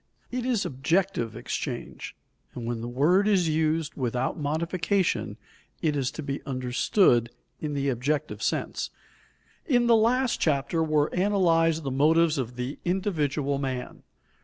It is objective exchange, and when the word is used without modification, it is to be understood in the objective sense. In the last chapter were analyzed the motives of the individual man.